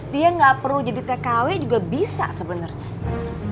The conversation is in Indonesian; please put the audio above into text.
dia nggak perlu jadi tkw juga bisa sebenarnya